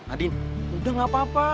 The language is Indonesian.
adin udah gak apa apa